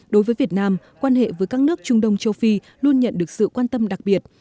đối với việt nam quan hệ với các nước trung đông châu phi luôn nhận được sự quan tâm đặc biệt